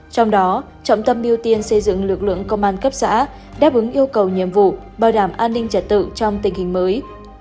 trong đó trọng tâm ưu tiên xây dựng lực lượng công an cấp xã đáp ứng yêu cầu nhiệm vụ bảo đảm an ninh trật tự trong tình hình mới